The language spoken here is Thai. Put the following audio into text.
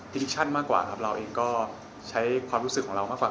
ชั่นมากกว่าครับเราเองก็ใช้ความรู้สึกของเรามากกว่า